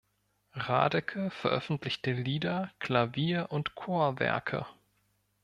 Radecke veröffentlichte Lieder, Klavier- und Chorwerke.